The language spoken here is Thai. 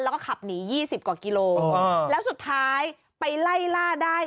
แล้วก็ขับหนี๒๐กว่ากิโลแล้วสุดท้ายไปไล่ล่าได้